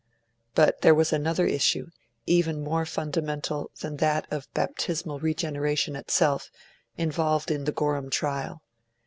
But there was another issue, even more fundamental than that of Baptismal Regeneration itself, involved in the Gorham trial.